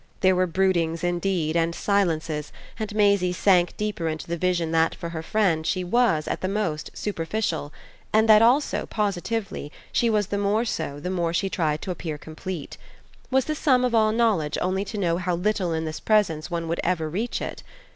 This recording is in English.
There were broodings indeed and silences, and Maisie sank deeper into the vision that for her friend she was, at the most, superficial, and that also, positively, she was the more so the more she tried to appear complete. Was the sum of all knowledge only to know how little in this presence one would ever reach it?